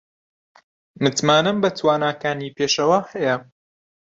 متمانەم بە تواناکانی پێشەوا هەیە.